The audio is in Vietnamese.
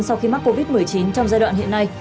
sau khi mắc covid một mươi chín trong giai đoạn hiện nay